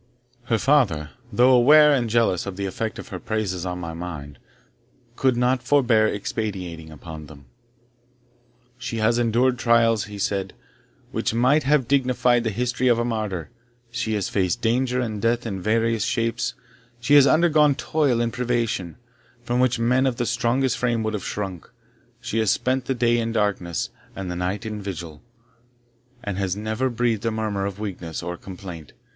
Her father, though aware and jealous of the effect of her praises on my mind, could not forbear expatiating upon them. "She has endured trials," he said, "which might have dignified the history of a martyr; she has faced danger and death in various shapes; she has undergone toil and privation, from which men of the strongest frame would have shrunk; she has spent the day in darkness, and the night in vigil, and has never breathed a murmur of weakness or complaint.